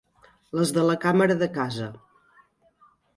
Les de la càmera de casa.